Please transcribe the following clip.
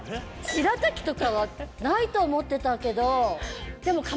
しらたきとかはないと思ってたけど。